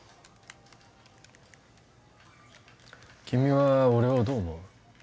君は俺をどう思う？